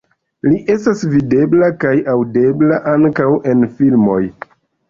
Li estas videbla kaj aŭdebla ankaŭ en filmoj.